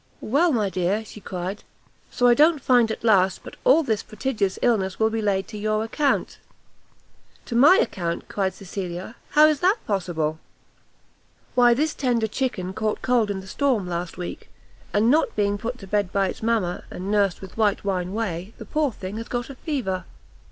"Well, my dear," she cried, "so I don't find at last but that all this prodigious illness will be laid to your account." "To my account?" cried Cecilia, "how is that possible?" "Why this tender chicken caught cold in the storm last week, and not being put to bed by its mama, and nursed with white wine whey, the poor thing has got a fever."